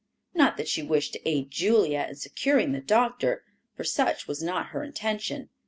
Not that she wished to aid Julia in securing the doctor, for such was not her intention.